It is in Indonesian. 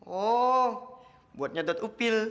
oh buat nyedot upil